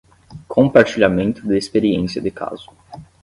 Compartilhamento de experiência de caso